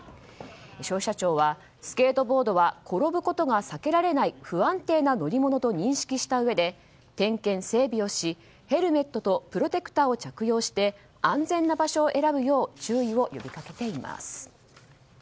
消費者庁は、スケートボードは転ぶことが避けられない不安定な乗り物と認識したうえで点検・整備をしてヘルメットとプロテクターを着用して安全な場所を選ぶよう注意を呼びかけています。